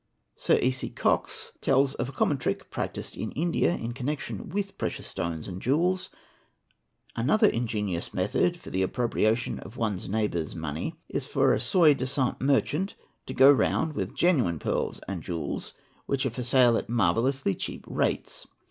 Sir H.C. Cox tells of a common trick practised in India in connection with precious stones and jewels:—' Another ingenious method for the ; appropriation of one's neighbour's money is for a sot disant merchant to _ go round with genuine pearls and jewels which are for sale at marvel _lously cheap rates.